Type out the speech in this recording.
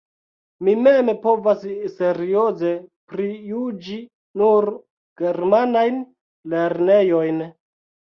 Mi mem povas serioze prijuĝi nur germanajn lernejojn.